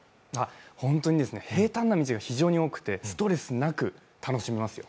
ホントに平たんな道が非常に多くてストレスなく楽しめます。